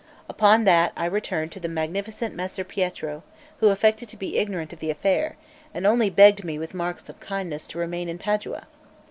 Upon that I returned to the magnificent Messer Pietro, who affected to be ignorant of the affair, and only begged me with marks of kindness to remain in Padua.